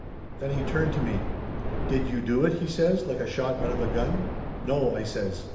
Then he turned to me, "Did you do it?" he says like a shot out of a gun. "No!" I says.